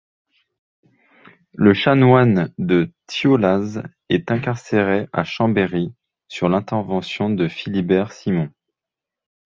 Le chanoine de Thiollaz est incarcéré à Chambéry, sur l'intervention de Philibert Simond.